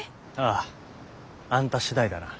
あああんた次第だな。